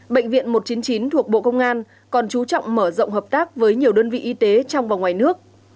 bệnh viện một trăm chín mươi chín thuộc bộ công an còn chú trọng mở rộng hợp tác với nhiều đơn vị y tế trong và ngoài nước